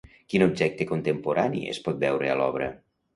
Quin objecte contemporani es pot veure a l'obra?